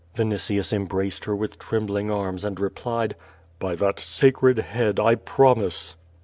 Vinitius embraced her with trembling arms and replied: *T5y that sacred head, I promise."